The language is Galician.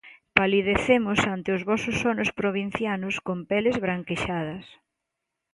Palidecemos ante os vosos sonos provincianos con peles branquexadas.